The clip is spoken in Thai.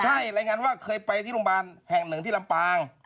ใช่รายงานว่าเคยไปที่โรงพยาบาลแห่งหนึ่งที่ลำปาง